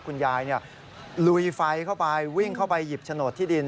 คุณยายลุยไฟเข้าไปวิ่งเข้าไปหยิบโฉนดที่ดิน